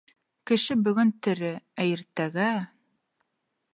Кеше бөгөн тере, ә иртәгә...